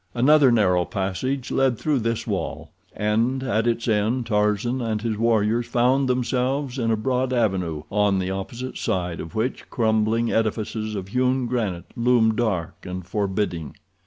Another narrow passage led through this wall, and at its end Tarzan and his warriors found themselves in a broad avenue, on the opposite side of which crumbling edifices of hewn granite loomed dark and forbidding.